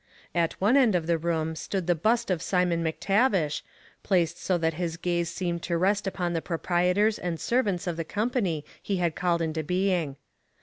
At one end of the room stood the bust of Simon M'Tavish, placed so that his gaze seemed to rest upon the proprietors and servants of the company he had called into being.